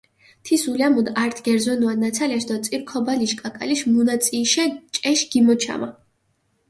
თის ულამუდჷ ართ გერზვენუა ნაცალაშ დო წირ ქობალიშ კაკალიშ მუნაწიიშე ჭეშ გიმოჩამა.